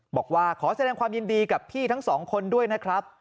บอกว่าขอแสดงความยินดีกับพี่ทั้งสองคนด้วยนะครับ